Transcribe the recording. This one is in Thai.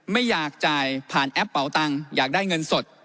ไม่อยากจ่ายผ่านแอปเป่าตังค์อยากได้เงินสด